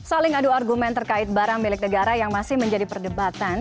saling adu argumen terkait barang milik negara yang masih menjadi perdebatan